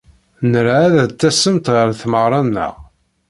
Nra ad d-tasemt ɣer tmeɣra-nneɣ.